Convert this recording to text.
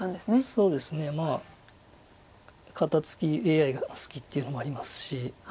そうですねまあ肩ツキＡＩが好きっていうのもありますし。